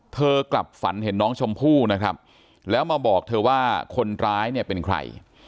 เธอกลับฝันเห็นน้องชมพู่นะครับแล้วมาบอกเธอว่าคนร้ายเนี่ยเป็นใคร